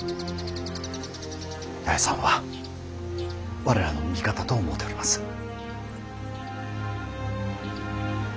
八重さんは我らの味方と思うております。